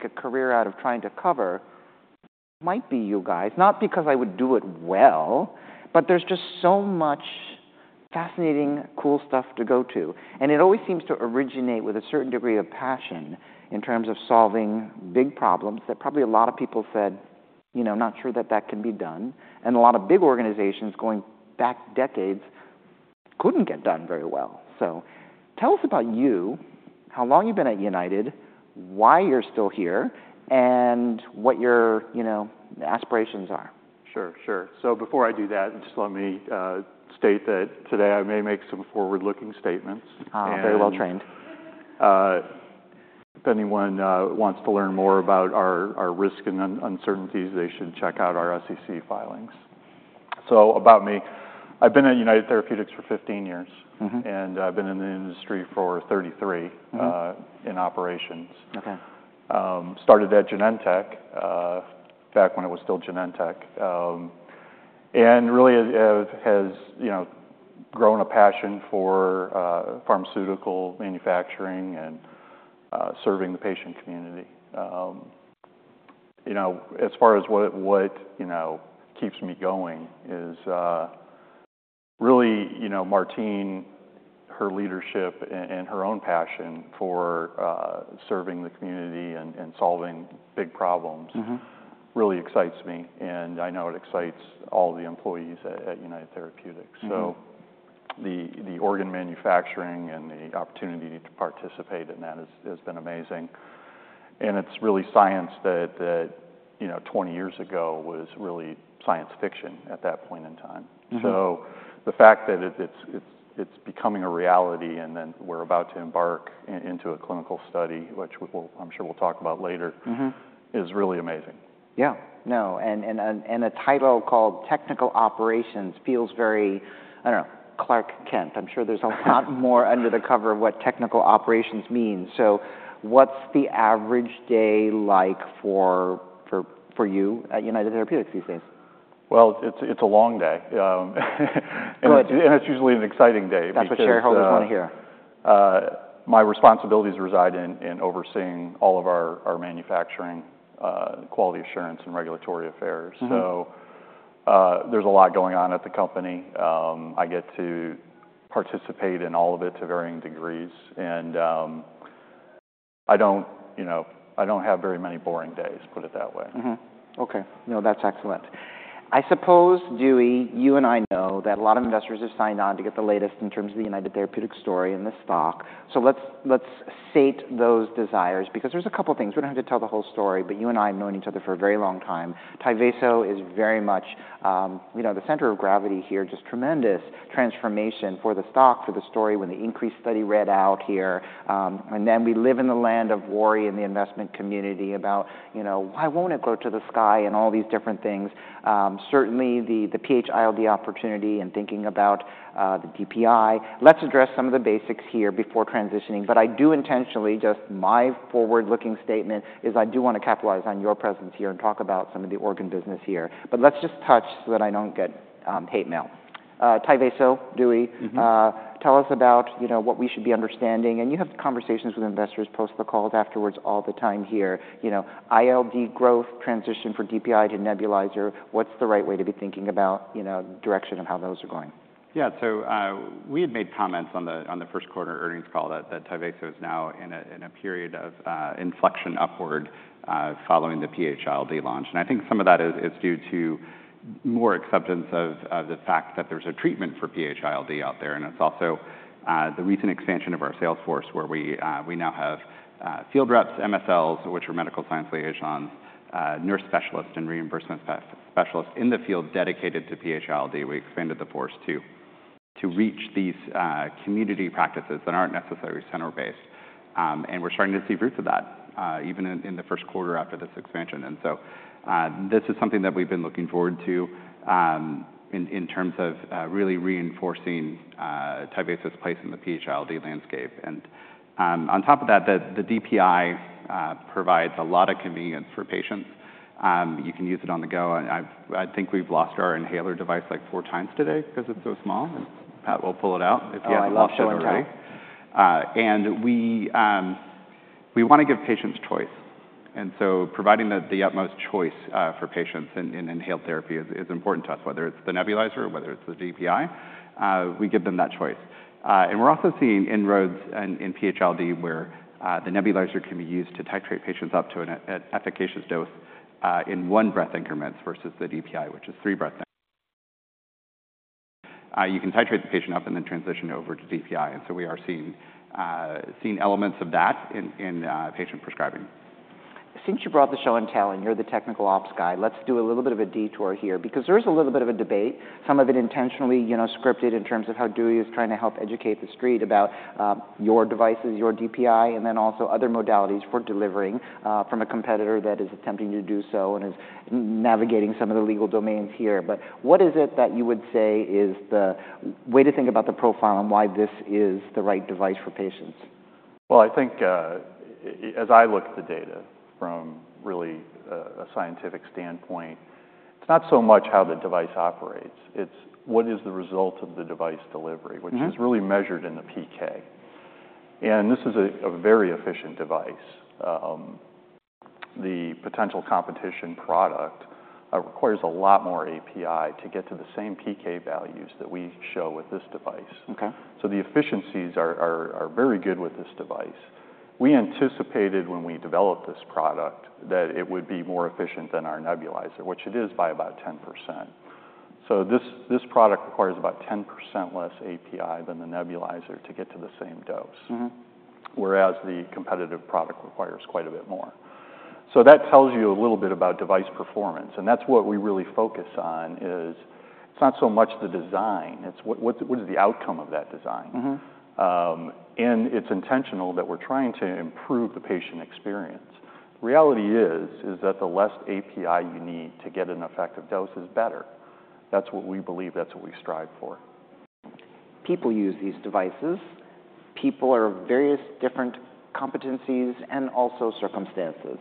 Make a career out of trying to cover might be you guys, not because I would do it well, but there's just so much fascinating, cool stuff to go to. And it always seems to originate with a certain degree of passion in terms of solving big problems that probably a lot of people said, you know, not sure that that can be done. And a lot of big organizations going back decades couldn't get done very well. So tell us about you, how long you've been at United, why you're still here, and what your, you know, aspirations are. Sure, sure. So before I do that, just let me state that today I may make some forward-looking statements. Very well trained. If anyone wants to learn more about our risk and uncertainties, they should check out our SEC filings. About me, I've been at United Therapeutics for 15 years, and I've been in the industry for 33 in operations. Started at Genentech back when it was still Genentech, and really has, you know, grown a passion for pharmaceutical manufacturing and serving the patient community. You know, as far as what, you know, keeps me going is really, you know, Martine, her leadership and her own passion for serving the community and solving big problems really excites me, and I know it excites all the employees at United Therapeutics. So the organ manufacturing and the opportunity to participate in that has been amazing. And it's really science that, you know, 20 years ago was really science fiction at that point in time. So the fact that it's becoming a reality and then we're about to embark into a clinical study, which I'm sure we'll talk about later, is really amazing. Yeah, no, and a title called Technical Operations feels very, I don't know, Clark Kent. I'm sure there's a lot more under the cover of what technical operations means. So what's the average day like for you at United Therapeutics these days? Well, it's a long day, and it's usually an exciting day. That's what shareholders want to hear. My responsibilities reside in overseeing all of our manufacturing, quality assurance, and regulatory affairs. So there's a lot going on at the company. I get to participate in all of it to varying degrees, and I don't, you know, I don't have very many boring days, put it that way. Okay, no, that's excellent. I suppose, Dewey, you and I know that a lot of investors have signed on to get the latest in terms of the United Therapeutics story and the stock. So let's sate those desires because there's a couple of things. We don't have to tell the whole story, but you and I have known each other for a very long time. Tyvaso is very much, you know, the center of gravity here, just tremendous transformation for the stock, for the story when the INCREASE study read out here. And then we live in the land of worry in the investment community about, you know, why won't it go to the sky and all these different things. Certainly, the PH-ILD opportunity and thinking about the DPI. Let's address some of the basics here before transitioning, but I do intentionally, just my forward-looking statement is I do want to capitalize on your presence here and talk about some of the organ business here. But let's just touch so that I don't get hate mail. Tyvaso, Dewey, tell us about, you know, what we should be understanding. And you have conversations with investors, post the calls afterwards all the time here. You know, ILD growth, transition from DPI to nebulizer. What's the right way to be thinking about, you know, direction of how those are going? Yeah, so we had made comments on the first quarter earnings call that Tyvaso is now in a period of inflection upward following the PH-ILD launch. And I think some of that is due to more acceptance of the fact that there's a treatment for PH-ILD out there. And it's also the recent expansion of our sales force where we now have field reps, MSLs, which are medical science liaisons, nurse specialists, and reimbursement specialists in the field dedicated to PH-ILD. We expanded the force to reach these community practices that aren't necessarily center-based. And we're starting to see roots of that even in the first quarter after this expansion. And so this is something that we've been looking forward to in terms of really reinforcing Tyvaso's place in the PH-ILD landscape. And on top of that, the DPI provides a lot of convenience for patients. You can use it on the go. I think we've lost our inhaler device like 4 times today because it's so small. Pat will pull it out if you haven't lost it already. Oh, I lost it already. We want to give patients choice. So providing the utmost choice for patients in inhaled therapy is important to us, whether it's the nebulizer or whether it's the DPI. We give them that choice. We're also seeing inroads in PH-ILD where the nebulizer can be used to titrate patients up to an efficacious dose in one breath increments versus the DPI, which is three breaths. You can titrate the patient up and then transition over to DPI. So we are seeing elements of that in patient prescribing. Since you brought the show on talent, you're the technical ops guy. Let's do a little bit of a detour here because there is a little bit of a debate, some of it intentionally, you know, scripted in terms of how Dewey is trying to help educate the street about your devices, your DPI, and then also other modalities for delivering from a competitor that is attempting to do so and is navigating some of the legal domains here. But what is it that you would say is the way to think about the profile and why this is the right device for patients? Well, I think as I look at the data from really a scientific standpoint, it's not so much how the device operates. It's what is the result of the device delivery, which is really measured in the PK. And this is a very efficient device. The potential competition product requires a lot more API to get to the same PK values that we show with this device. So the efficiencies are very good with this device. We anticipated when we developed this product that it would be more efficient than our nebulizer, which it is by about 10%. So this product requires about 10% less API than the nebulizer to get to the same dose, whereas the competitive product requires quite a bit more. So that tells you a little bit about device performance. And that's what we really focus on is it's not so much the design. It's what is the outcome of that design. It's intentional that we're trying to improve the patient experience. The reality is that the less API you need to get an effective dose is better. That's what we believe. That's what we strive for. People use these devices. People are of various different competencies and also circumstances.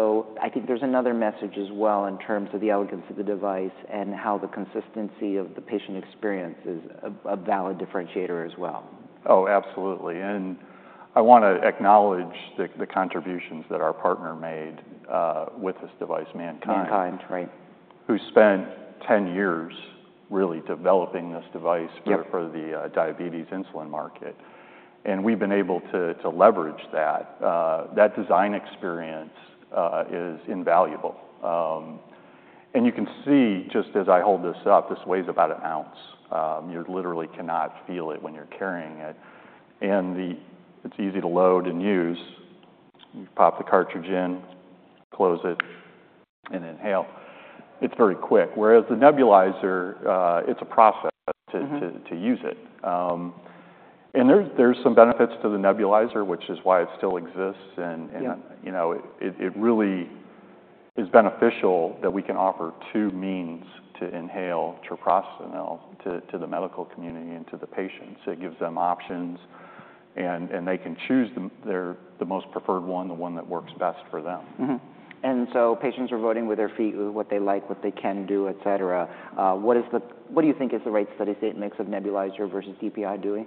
I think there's another message as well in terms of the elegance of the device and how the consistency of the patient experience is a valid differentiator as well. Oh, absolutely. And I want to acknowledge the contributions that our partner made with this device, MannKind. MannKind, right. Who spent 10 years really developing this device for the diabetes insulin market. We've been able to leverage that. That design experience is invaluable. You can see just as I hold this up, this weighs about an ounce. You literally cannot feel it when you're carrying it. It's easy to load and use. You pop the cartridge in, close it, and inhale. It's very quick. Whereas the nebulizer, it's a process to use it. There's some benefits to the nebulizer, which is why it still exists. You know, it really is beneficial that we can offer two means to inhale treprostinil to the medical community and to the patients. It gives them options, and they can choose the most preferred one, the one that works best for them. And so patients are voting with their feet what they like, what they can do, et cetera. What do you think is the right study statement mix of nebulizer versus DPI, Dewey?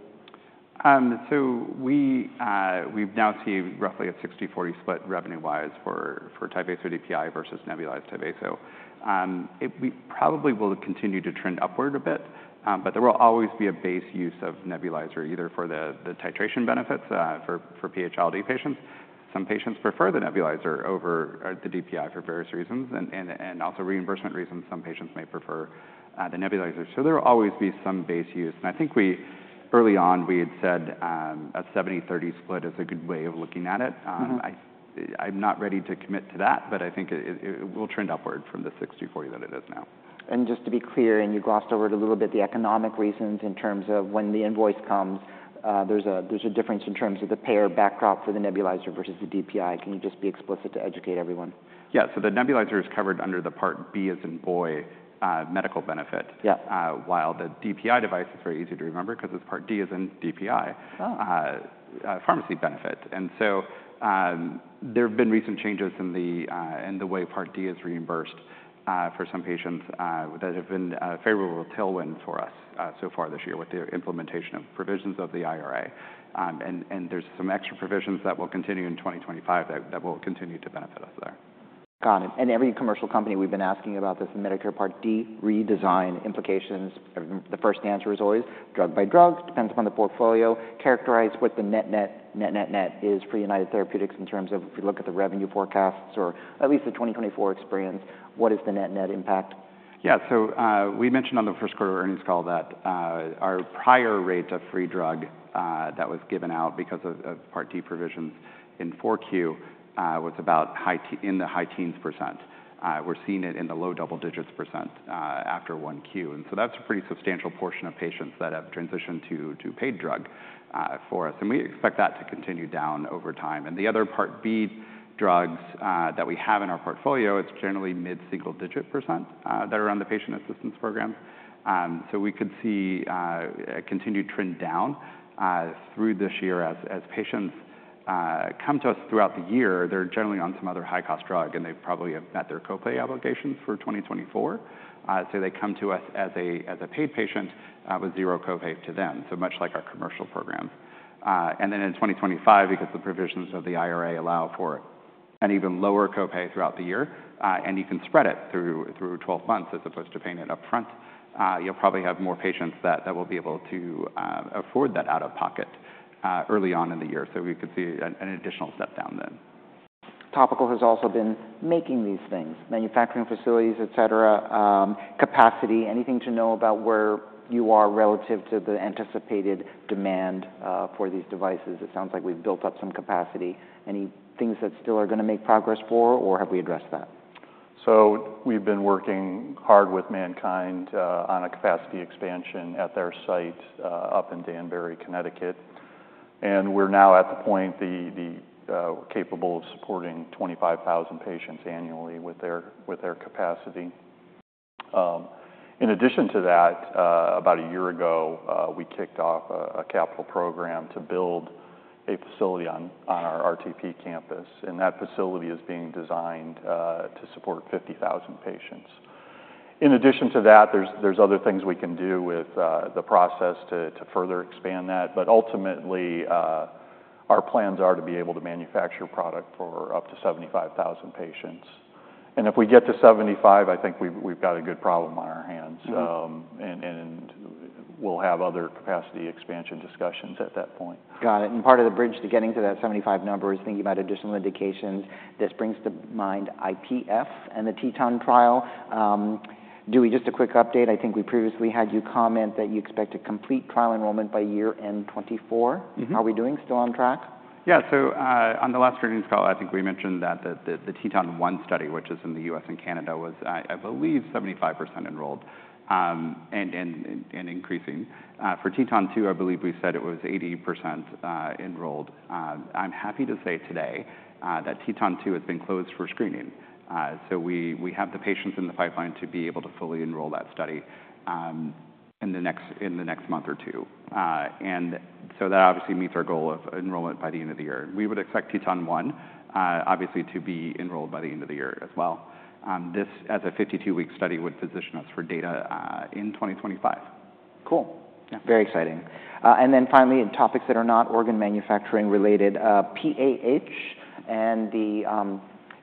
So we now see roughly a 60/40 split revenue-wise for Tyvaso DPI versus nebulized Tyvaso. We probably will continue to trend upward a bit, but there will always be a base use of nebulizer, either for the titration benefits for PH-ILD patients. Some patients prefer the nebulizer over the DPI for various reasons and also reimbursement reasons. Some patients may prefer the nebulizer. So there will always be some base use. And I think early on we had said a 70/30 split is a good way of looking at it. I'm not ready to commit to that, but I think it will trend upward from the 60/40 that it is now. Just to be clear, and you glossed over it a little bit, the economic reasons in terms of when the invoice comes, there's a difference in terms of the payer backdrop for the nebulizer versus the DPI. Can you just be explicit to educate everyone? Yeah, so the nebulizer is covered under the Part B as in boy medical benefit, while the DPI device is very easy to remember because it's Part D as in DPI, pharmacy benefit. And so there have been recent changes in the way Part D is reimbursed for some patients that have been a favorable tailwind for us so far this year with the implementation of provisions of the IRA. And there's some extra provisions that will continue in 2025 that will continue to benefit us there. Got it. And every commercial company we've been asking about this Medicare Part D redesign implications. The first answer is always drug by drug, depends upon the portfolio, characterize what the net net net net net is for United Therapeutics in terms of if we look at the revenue forecasts or at least the 2024 experience, what is the net net impact? Yeah, so we mentioned on the first quarter earnings call that our prior rate of free drug that was given out because of Part D provisions in 4Q was about in the high teens percent. We're seeing it in the low double-digits percent after Q1. And so that's a pretty substantial portion of patients that have transitioned to paid drug for us. And we expect that to continue down over time. And the other Part B drugs that we have in our portfolio, it's generally mid single digit percent that are on the patient assistance program. So we could see a continued trend down through this year as patients come to us throughout the year. They're generally on some other high-cost drug, and they probably have met their copay obligations for 2024. So they come to us as a paid patient with zero copay to them, so much like our commercial programs. And then in 2025, because the provisions of the IRA allow for an even lower copay throughout the year, and you can spread it through 12 months as opposed to paying it upfront, you'll probably have more patients that will be able to afford that out of pocket early on in the year. So we could see an additional step down then. Topical has also been making these things, manufacturing facilities, et cetera, capacity. Anything to know about where you are relative to the anticipated demand for these devices? It sounds like we've built up some capacity. Any things that still are going to make progress for, or have we addressed that? We've been working hard with MannKind on a capacity expansion at their site up in Danbury, Connecticut. We're now at the point capable of supporting 25,000 patients annually with their capacity. In addition to that, about a year ago, we kicked off a capital program to build a facility on our RTP campus. That facility is being designed to support 50,000 patients. In addition to that, there's other things we can do with the process to further expand that. Ultimately, our plans are to be able to manufacture product for up to 75,000 patients. If we get to 75, I think we've got a good problem on our hands. We'll have other capacity expansion discussions at that point. Got it. And part of the bridge to getting to that 75 number is thinking about additional indications. This brings to mind IPF and the TETON trial. Dewey, just a quick update. I think we previously had you comment that you expect to complete trial enrollment by year-end 2024. Are we still on track? Yeah, so on the last screening call, I think we mentioned that the TETON 1 study, which is in the US and Canada, was I believe 75% enrolled and increasing. For TETON 2, I believe we said it was 80% enrolled. I'm happy to say today that TETON 2 has been closed for screening. So we have the patients in the pipeline to be able to fully enroll that study in the next month or two. And so that obviously meets our goal of enrollment by the end of the year. We would expect TETON 1 obviously to be enrolled by the end of the year as well. This, as a 52-week study, would position us for data in 2025. Cool. Very exciting. And then finally, in topics that are not organ manufacturing related, PAH and the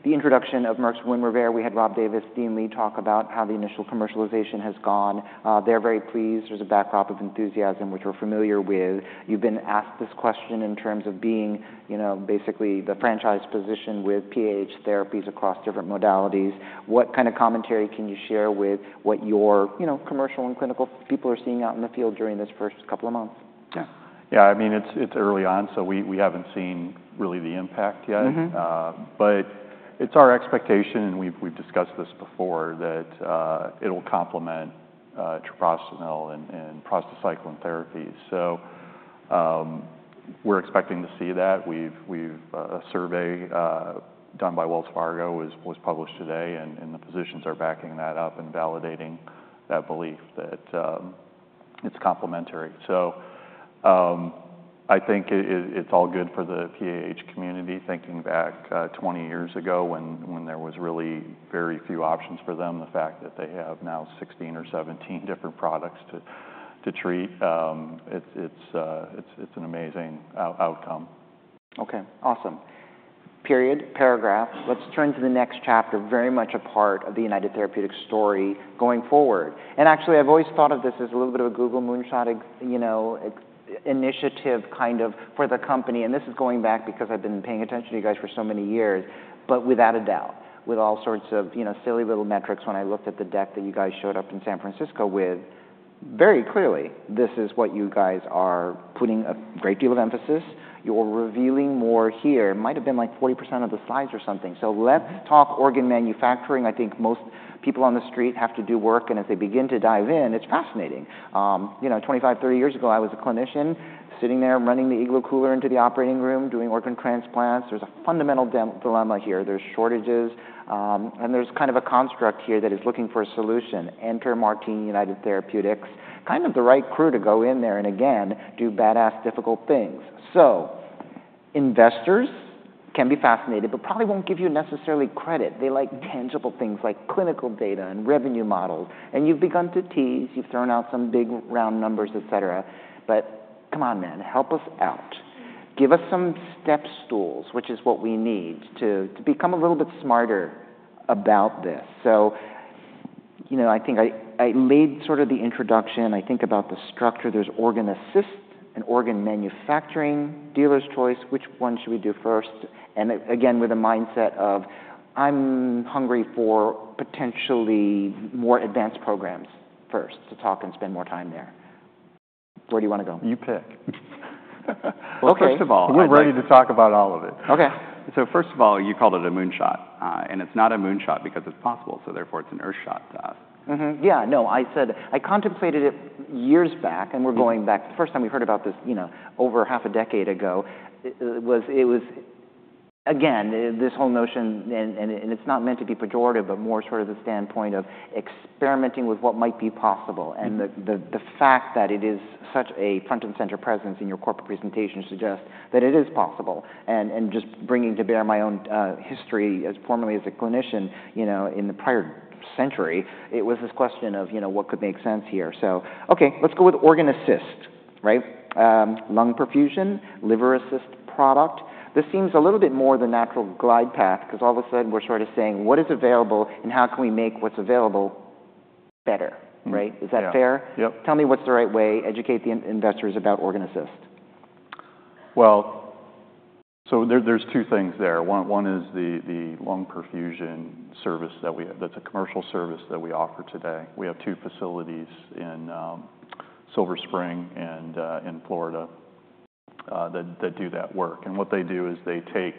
introduction of Merck's WINREVAIR. We had Rob Davis, Dean Li, talk about how the initial commercialization has gone. They're very pleased. There's a backdrop of enthusiasm, which we're familiar with. You've been asked this question in terms of being basically the franchise position with PAH therapies across different modalities. What kind of commentary can you share with what your commercial and clinical people are seeing out in the field during this first couple of months? Yeah, yeah I mean, it's early on, so we haven't seen really the impact yet. But it's our expectation, and we've discussed this before, that it'll complement treprostinil and prostacyclin therapies. So we're expecting to see that. A survey done by Wells Fargo was published today, and the physicians are backing that up and validating that belief that it's complementary. So I think it's all good for the PAH community. Thinking back 20 years ago when there was really very few options for them, the fact that they have now 16 or 17 different products to treat, it's an amazing outcome. Okay, awesome. Let's turn to the next chapter, very much a part of the United Therapeutics story going forward. Actually, I've always thought of this as a little bit of a Google moonshot initiative kind of for the company. This is going back because I've been paying attention to you guys for so many years. But without a doubt, with all sorts of silly little metrics when I looked at the deck that you guys showed up in San Francisco with, very clearly, this is what you guys are putting a great deal of emphasis. You're revealing more here. It might have been like 40% of the slides or something. So let's talk organ manufacturing. I think most people on the street have to do work. And as they begin to dive in, it's fascinating. You know, 25-30 years ago, I was a clinician sitting there running the igloo cooler into the operating room, doing organ transplants. There's a fundamental dilemma here. There's shortages. There's kind of a construct here that is looking for a solution. Enter Martine, United Therapeutics, kind of the right crew to go in there and again do badass difficult things. So investors can be fascinated, but probably won't give you necessarily credit. They like tangible things like clinical data and revenue models. You've begun to tease. You've thrown out some big round numbers, et cetera. But come on, man, help us out. Give us some step stools, which is what we need to become a little bit smarter about this. You know, I think I laid sort of the introduction. I think about the structure. There's organ assist and organ manufacturing, dealer's choice. Which one should we do first? Again, with a mindset of I'm hungry for potentially more advanced programs first to talk and spend more time there. Where do you want to go? You pick. Okay. Well, first of all, we're ready to talk about all of it. Okay. First of all, you called it a moonshot. It's not a moonshot because it's possible. Therefore, it's an earthshot to us. Yeah, no, I said I contemplated it years back. And we're going back. The first time we heard about this, you know, over half a decade ago, it was again this whole notion, and it's not meant to be pejorative, but more sort of the standpoint of experimenting with what might be possible. And the fact that it is such a front and center presence in your corporate presentation suggests that it is possible. And just bringing to bear my own history as formerly as a clinician, you know, in the prior century, it was this question of, you know, what could make sense here? So okay, let's go with organ assist, right? Lung perfusion, liver assist product. This seems a little bit more the natural glide path because all of a sudden we're sort of saying what is available and how can we make what's available better, right? Is that fair? Yep. Tell me what's the right way. Educate the investors about organ assist. Well, so there's two things there. One is the lung perfusion service that's a commercial service that we offer today. We have two facilities in Silver Spring and in Florida that do that work. What they do is they take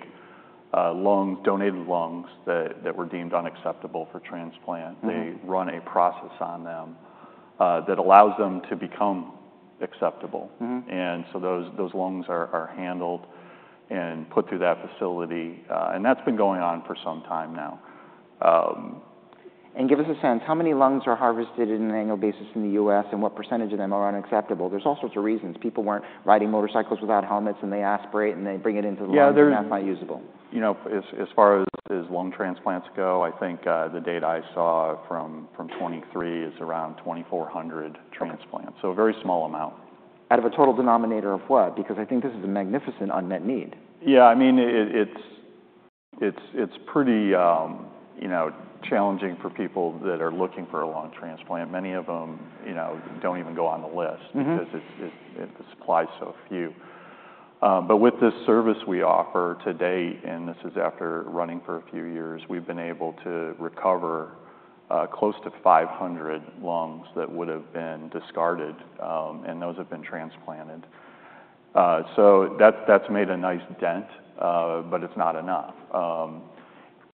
donated lungs that were deemed unacceptable for transplant. They run a process on them that allows them to become acceptable. So those lungs are handled and put through that facility. That's been going on for some time now. Give us a sense. How many lungs are harvested in an annual basis in the U.S. and what percentage of them are unacceptable? There's all sorts of reasons. People weren't riding motorcycles without helmets, and they aspirate, and they bring it into the lungs. That's not usable. You know, as far as lung transplants go, I think the data I saw from 2023 is around 2,400 transplants. So, a very small amount. Out of a total denominator of what? Because I think this is a magnificent unmet need. Yeah, I mean, it's pretty, you know, challenging for people that are looking for a lung transplant. Many of them, you know, don't even go on the list because the supply is so few. But with this service we offer today, and this is after running for a few years, we've been able to recover close to 500 lungs that would have been discarded, and those have been transplanted. So that's made a nice dent. But it's not enough.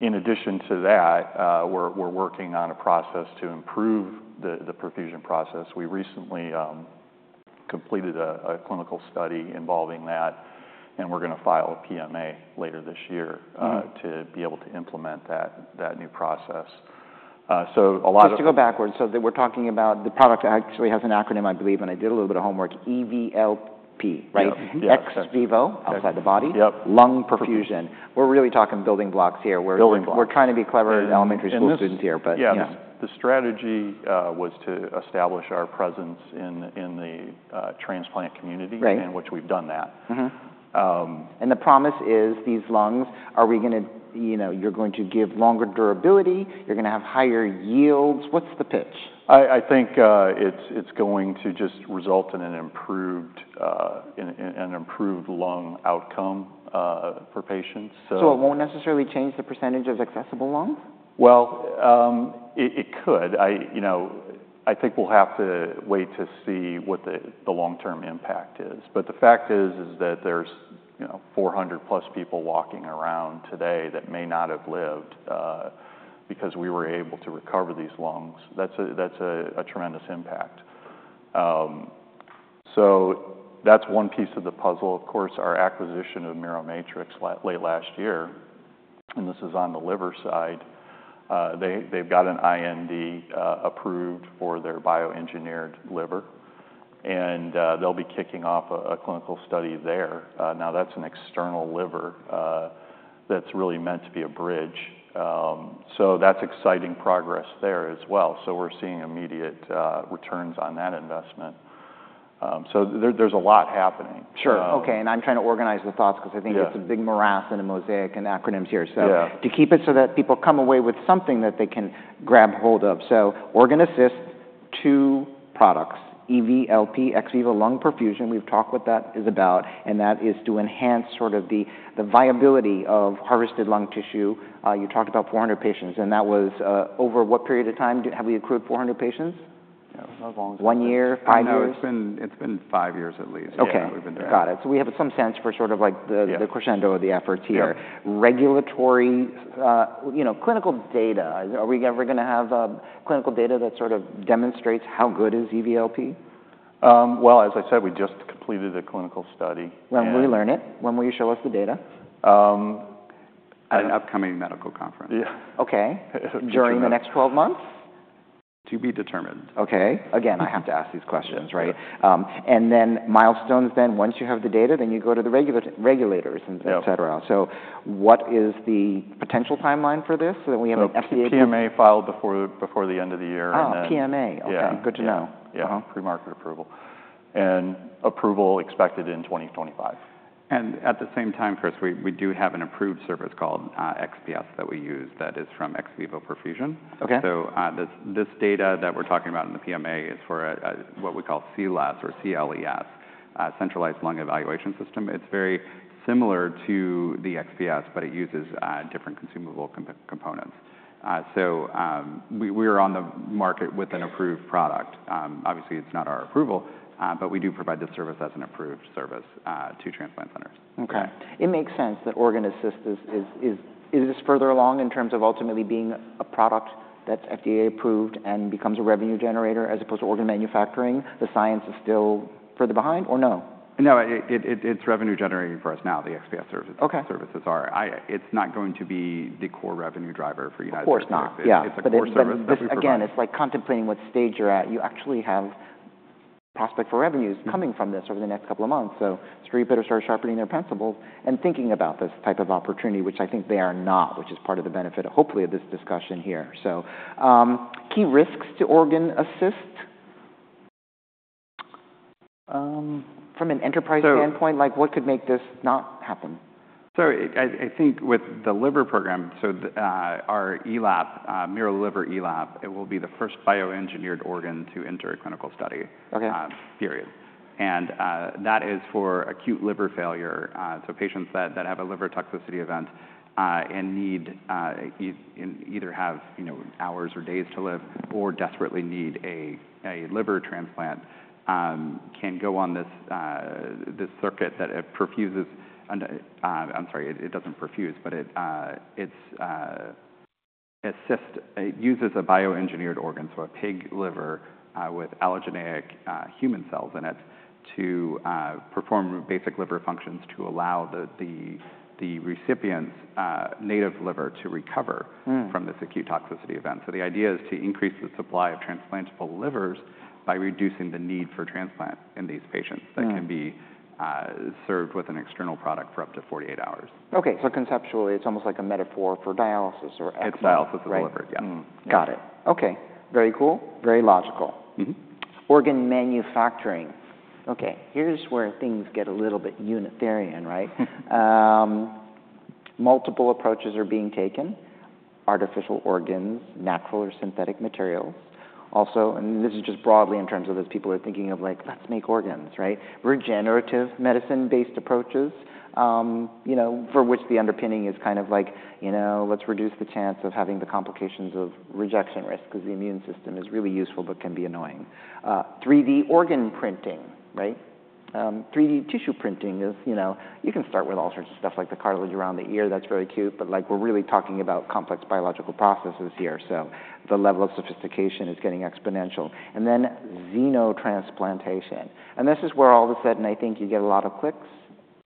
In addition to that, we're working on a process to improve the perfusion process. We recently completed a clinical study involving that. And we're going to file a PMA later this year to be able to implement that new process. So a lot of. Just to go backwards. So we're talking about the product actually has an acronym, I believe, and I did a little bit of homework. EVLP, right? Ex Vivo outside the body Lung Perfusion. We're really talking building blocks here. We're trying to be clever elementary school students here. The strategy was to establish our presence in the transplant community, which we've done that. The promise is these lungs, are we going to, you know, you're going to give longer durability. You're going to have higher yields. What's the pitch? I think it's going to just result in an improved lung outcome for patients. So it won't necessarily change the percentage of accessible lungs? Well, it could. You know, I think we'll have to wait to see what the long-term impact is. But the fact is that there's, you know, 400+ people walking around today that may not have lived because we were able to recover these lungs. That's a tremendous impact. So that's one piece of the puzzle. Of course, our acquisition of Miromatrix late last year, and this is on the liver side. They've got an IND approved for their bioengineered liver. And they'll be kicking off a clinical study there. Now, that's an external liver that's really meant to be a bridge. So that's exciting progress there as well. So we're seeing immediate returns on that investment. So there's a lot happening. Sure. Okay. I'm trying to organize the thoughts because I think it's a big morass and a mosaic and acronyms here. So to keep it so that people come away with something that they can grab hold of. Organ assist, two products, EVLP, Ex Vivo Lung Perfusion. We've talked what that is about. That is to enhance sort of the viability of harvested lung tissue. You talked about 400 patients. That was over what period of time? Have we accrued 400 patients? Yeah, that's a long. One year, five years? No, it's been five years at least. Okay. Got it. So we have some sense for sort of like the crescendo of the efforts here. Regulatory, you know, clinical data. Are we ever going to have clinical data that sort of demonstrates how good is EVLP? Well, as I said, we just completed a clinical study. When will we learn it? When will you show us the data? At an upcoming medical conference. Yeah. Okay. During the next 12 months? To be determined. Okay. Again, I have to ask these questions, right? And then milestones then, once you have the data, then you go to the regulators, et cetera. So what is the potential timeline for this? So that we have an FDA? PMA filed before the end of the year. PMA. Okay. Good to know. Yeah. premarket approval. Approval expected in 2025. At the same time, Chris, we do have an approved service called XPS that we use that is from Ex Vivo Perfusion. This data that we're talking about in the PMA is for what we call CLES or CLES, Centralized Lung Evaluation System. It's very similar to the XPS, but it uses different consumable components. We are on the market with an approved product. Obviously, it's not our approval, but we do provide the service as an approved service to transplant centers. Okay. It makes sense that organ assist is just further along in terms of ultimately being a product that's FDA approved and becomes a revenue generator as opposed to organ manufacturing. The science is still further behind or no? No, it's revenue-generating for us now. The XPS services are. It's not going to be the core revenue driver for United Therapeutics. Of course not. Yeah, it's a core service. Again, it's like contemplating what stage you're at. You actually have prospect for revenues coming from this over the next couple of months. So it's very good to start sharpening their principles and thinking about this type of opportunity, which I think they are not, which is part of the benefit, hopefully, of this discussion here. So key risks to organ assist? From an enterprise standpoint, like what could make this not happen? So I think with the liver program, so our miroliverELAP, miroliverELAP, it will be the first bioengineered organ to enter a clinical study. Period. And that is for acute liver failure. So patients that have a liver toxicity event and need either have hours or days to live or desperately need a liver transplant can go on this circuit that it perfuses. I'm sorry, it doesn't perfuse, but it uses a bioengineered organ, so a pig liver with allogeneic human cells in it to perform basic liver functions to allow the recipient's native liver to recover from this acute toxicity event. So the idea is to increase the supply of transplantable livers by reducing the need for transplant in these patients that can be served with an external product for up to 48 hours. Okay. Conceptually, it's almost like a metaphor for dialysis or ex-dialysis. Ex-dialysis of the liver, yeah. Got it. Okay. Very cool. Very logical. Organ manufacturing. Okay. Here's where things get a little bit utopian, right? Multiple approaches are being taken. Artificial organs, natural or synthetic materials. Also, and this is just broadly in terms of those people are thinking of like, let's make organs, right? Regenerative medicine-based approaches, you know, for which the underpinning is kind of like, you know, let's reduce the chance of having the complications of rejection risk because the immune system is really useful but can be annoying. 3D organ printing, right? 3D tissue printing is, you know, you can start with all sorts of stuff like the cartilage around the ear. That's really cute. But like we're really talking about complex biological processes here. So the level of sophistication is getting exponential. And then xenotransplantation. And this is where all of a sudden I think you get a lot of clicks.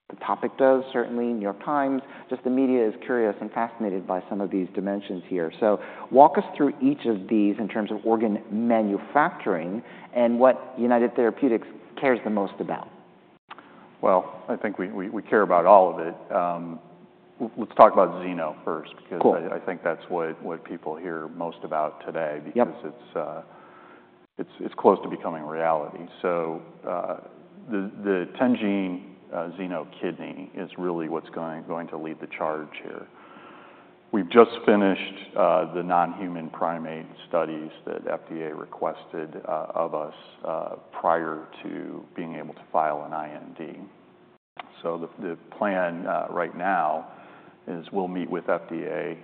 The topic does certainly. New York Times, just the media is curious and fascinated by some of these dimensions here. So walk us through each of these in terms of organ manufacturing and what United Therapeutics cares the most about. Well, I think we care about all of it. Let's talk about xeno first because I think that's what people hear most about today because it's close to becoming reality. So the 10-gene xeno kidney is really what's going to lead the charge here. We've just finished the non-human primate studies that FDA requested of us prior to being able to file an IND. So the plan right now is we'll meet with FDA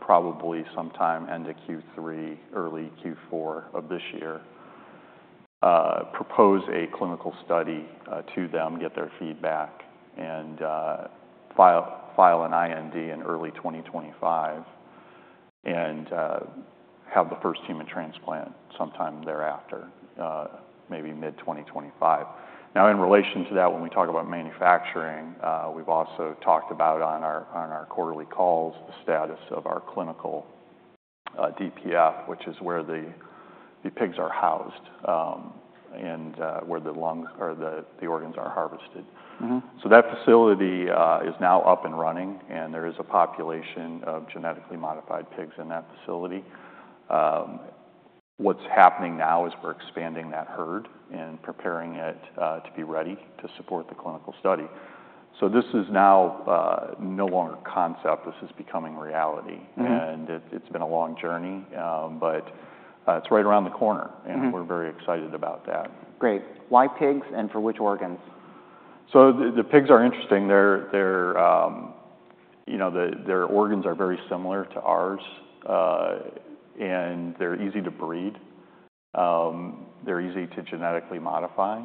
probably sometime end of Q3, early Q4 of this year, propose a clinical study to them, get their feedback, and file an IND in early 2025 and have the first human transplant sometime thereafter, maybe mid-2025. Now, in relation to that, when we talk about manufacturing, we've also talked about on our quarterly calls the status of our clinical DPF, which is where the pigs are housed and where the lungs or the organs are harvested. That facility is now up and running. There is a population of genetically modified pigs in that facility. What's happening now is we're expanding that herd and preparing it to be ready to support the clinical study. This is now no longer a concept. This is becoming reality. It's been a long journey, but it's right around the corner. We're very excited about that. Great. Why pigs and for which organs? So the pigs are interesting. You know, their organs are very similar to ours. And they're easy to breed. They're easy to genetically modify.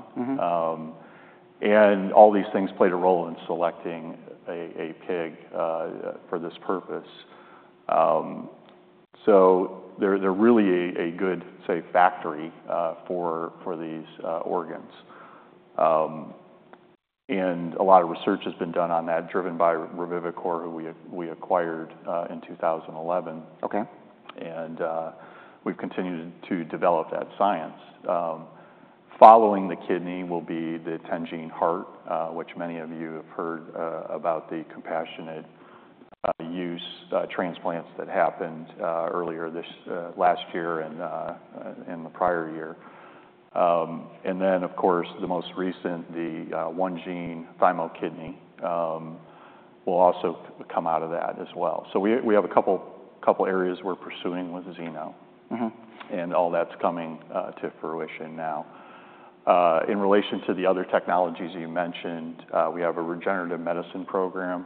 And all these things played a role in selecting a pig for this purpose. So they're really a good, say, factory for these organs. And a lot of research has been done on that, driven by Revivicor, who we acquired in 2011. And we've continued to develop that science. Following the kidney will be the 10-gene heart, which many of you have heard about the compassionate use transplants that happened earlier this last year and in the prior year. And then, of course, the most recent, the 1-gene thymo kidney will also come out of that as well. So we have a couple areas we're pursuing with xeno. And all that's coming to fruition now. In relation to the other technologies you mentioned, we have a regenerative medicine program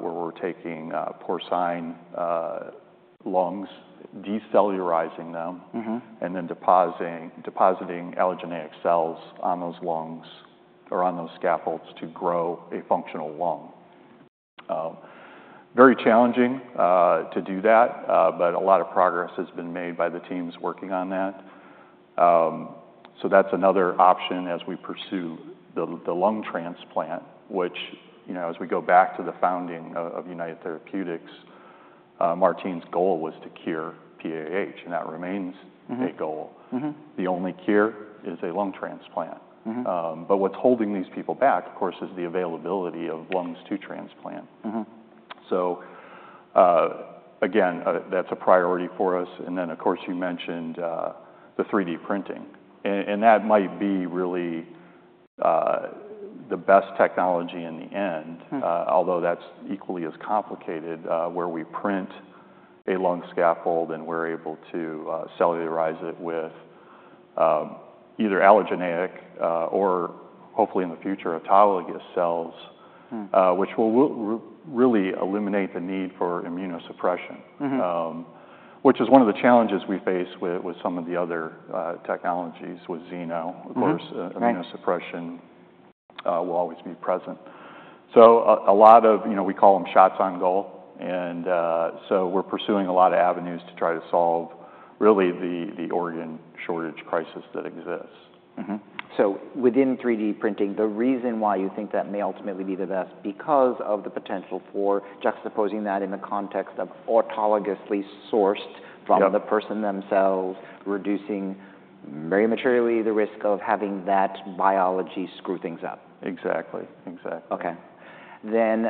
where we're taking porcine lungs, decellularizing them, and then depositing allogeneic cells on those lungs or on those scaffolds to grow a functional lung. Very challenging to do that, but a lot of progress has been made by the teams working on that. So that's another option as we pursue the lung transplant, which, you know, as we go back to the founding of United Therapeutics, Martine's goal was to cure PAH, and that remains a goal. The only cure is a lung transplant. But what's holding these people back, of course, is the availability of lungs to transplant. So again, that's a priority for us. And then, of course, you mentioned the 3D printing. That might be really the best technology in the end, although that's equally as complicated where we print a lung scaffold and we're able to cellularize it with either allogeneic or hopefully in the future autologous cells, which will really eliminate the need for immunosuppression, which is one of the challenges we face with some of the other technologies with xeno, of course, immunosuppression will always be present. So a lot of, you know, we call them shots on goal. And so we're pursuing a lot of avenues to try to solve really the organ shortage crisis that exists. Within 3D printing, the reason why you think that may ultimately be the best is because of the potential for juxtaposing that in the context of autologously sourced from the person themselves, reducing very materially the risk of having that biology screw things up. Exactly. Exactly. Okay. Then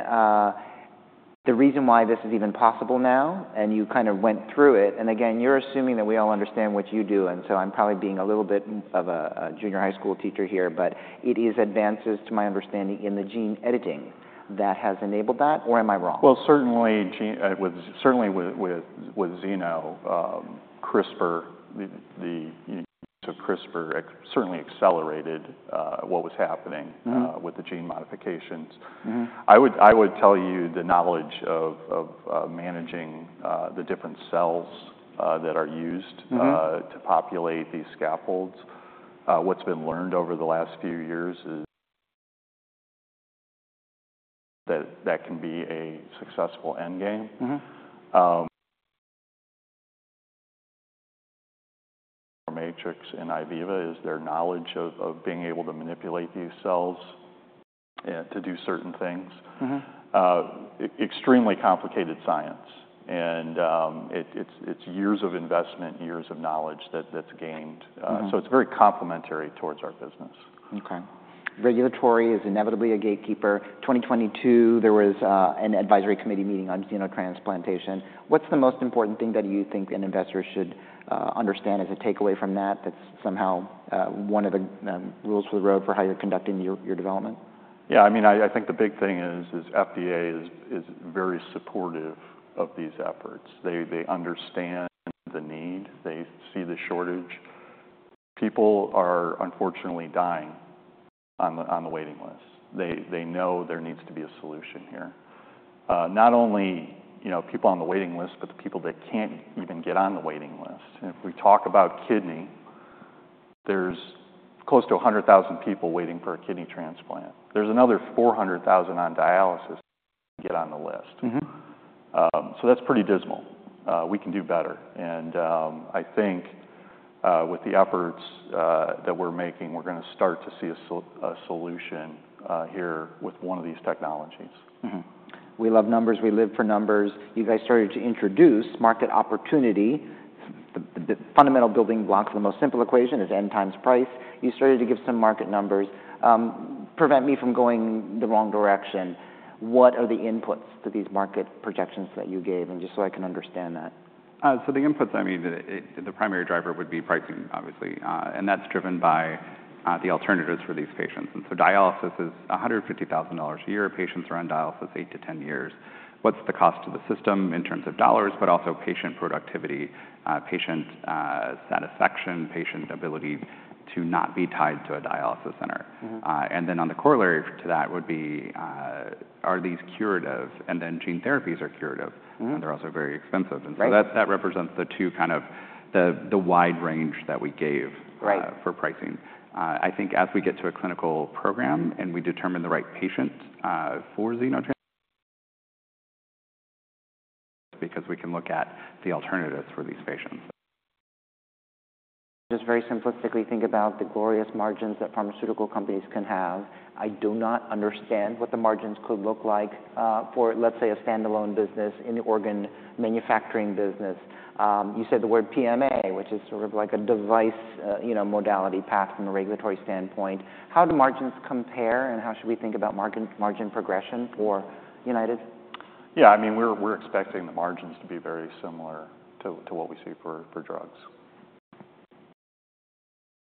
the reason why this is even possible now, and you kind of went through it. And again, you're assuming that we all understand what you do. And so I'm probably being a little bit of a junior high school teacher here, but it is advances, to my understanding, in the gene editing that has enabled that, or am I wrong? Well, certainly with xeno, CRISPR, the use of CRISPR certainly accelerated what was happening with the gene modifications. I would tell you the knowledge of managing the different cells that are used to populate these scaffolds. What's been learned over the last few years is that that can be a successful endgame. Miromatrix and IVIVA is their knowledge of being able to manipulate these cells to do certain things. Extremely complicated science. And it's years of investment, years of knowledge that's gained. So it's very complementary towards our business. Okay. Regulatory is inevitably a gatekeeper. 2022, there was an advisory committee meeting on xenotransplantation. What's the most important thing that you think an investor should understand as a takeaway from that that's somehow one of the rules for the road for how you're conducting your development? Yeah. I mean, I think the big thing is FDA is very supportive of these efforts. They understand the need. They see the shortage. People are unfortunately dying on the waiting list. They know there needs to be a solution here. Not only, you know, people on the waiting list, but the people that can't even get on the waiting list. If we talk about kidney, there's close to 100,000 people waiting for a kidney transplant. There's another 400,000 on dialysis to get on the list. So that's pretty dismal. We can do better. I think with the efforts that we're making, we're going to start to see a solution here with one of these technologies. We love numbers. We live for numbers. You guys started to introduce market opportunity. The fundamental building blocks of the most simple equation is N times price. You started to give some market numbers. Prevent me from going the wrong direction. What are the inputs to these market projections that you gave? And just so I can understand that. So the inputs, I mean, the primary driver would be pricing, obviously. That's driven by the alternatives for these patients. So dialysis is $150,000 a year. Patients are on dialysis 8-10 years. What's the cost to the system in terms of dollars, but also patient productivity, patient satisfaction, patient ability to not be tied to a dialysis center? Then on the corollary to that would be, are these curative? Then gene therapies are curative. And they're also very expensive. So that represents the two kind of the wide range that we gave for pricing. I think as we get to a clinical program and we determine the right patient for xenotransplant, because we can look at the alternatives for these patients. Just very simplistically, think about the glorious margins that pharmaceutical companies can have. I do not understand what the margins could look like for, let's say, a standalone business in the organ manufacturing business. You said the word PMA, which is sort of like a device, you know, modality path from a regulatory standpoint. How do margins compare? And how should we think about margin progression for United? Yeah. I mean, we're expecting the margins to be very similar to what we see for drugs.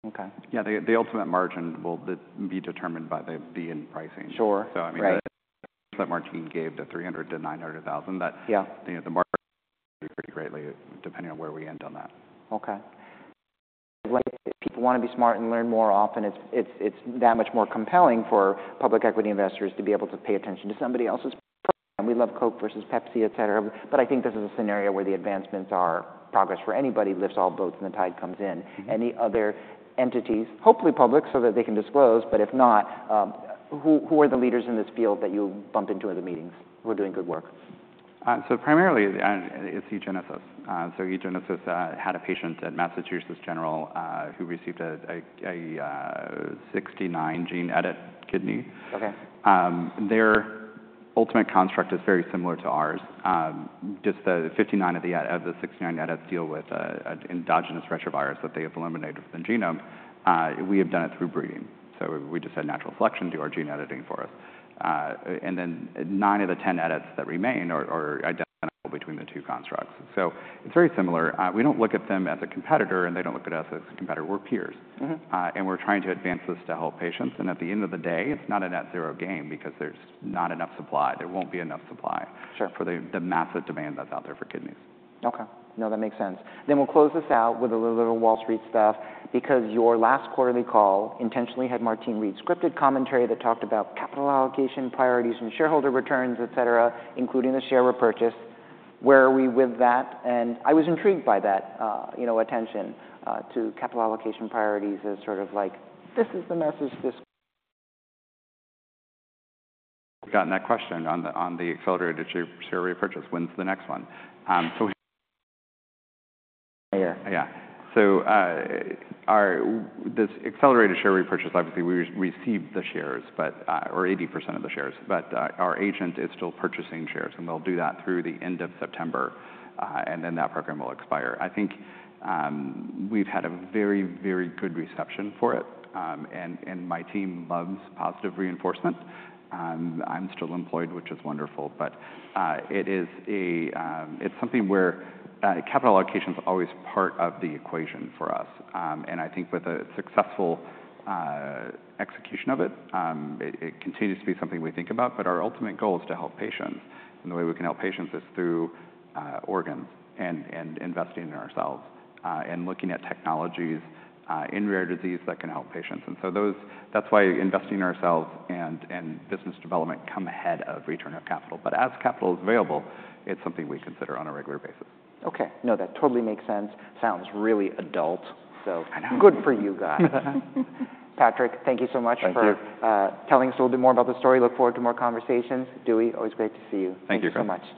Okay. Yeah. The ultimate margin will be determined by the end pricing. So, I mean, that margin you gave, the 300-900,000, that the margin varies greatly depending on where we end on that. Okay. People want to be smart and learn more often. It's that much more compelling for public equity investors to be able to pay attention to somebody else's program. We love Coke versus Pepsi, et cetera. But I think this is a scenario where the advancements are progress for anybody lifts all boats and the tide comes in. Any other entities, hopefully public, so that they can disclose, but if not, who are the leaders in this field that you bump into in the meetings who are doing good work? Primarily, it's eGenesis. eGenesis had a patient at Massachusetts General who received a 69-gene edit kidney. Their ultimate construct is very similar to ours. Just the 59 of the 69 edits deal with an endogenous retrovirus that they have eliminated from the genome. We have done it through breeding. We just had natural selection do our gene editing for us. Then 9 of the 10 edits that remain are identical between the two constructs. It's very similar. We don't look at them as a competitor, and they don't look at us as a competitor. We're peers. We're trying to advance this to help patients. At the end of the day, it's not a net zero game because there's not enough supply. There won't be enough supply for the massive demand that's out there for kidneys. Okay. No, that makes sense. Then we'll close this out with a little Wall Street stuff because your last quarterly call intentionally had Martine read scripted commentary that talked about capital allocation priorities and shareholder returns, et cetera, including the share repurchase. Where are we with that? And I was intrigued by that, you know, attention to capital allocation priorities as sort of like, this is the message this. We got in that question on the accelerated share repurchase. When's the next one? Yeah. So this accelerated share repurchase, obviously, we received the shares, but or 80% of the shares, but our agent is still purchasing shares. We'll do that through the end of September. Then that program will expire. I think we've had a very, very good reception for it. My team loves positive reinforcement. I'm still employed, which is wonderful. But it is, it's something where capital allocation is always part of the equation for us. I think with a successful execution of it, it continues to be something we think about. But our ultimate goal is to help patients. The way we can help patients is through organs and investing in ourselves and looking at technologies in rare disease that can help patients. That's why investing in ourselves and business development come ahead of return of capital. But as capital is available, it's something we consider on a regular basis. Okay. No, that totally makes sense. Sounds really adult. So good for you guys. Patrick, thank you so much for telling us a little bit more about the story. Look forward to more conversations. Dewey, always great to see you. Thank you. Thanks so much.